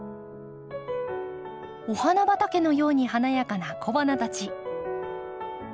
お花畑のように華やかな小花たち。